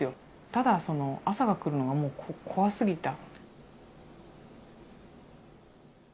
ただその朝が来るのがもう怖すぎた。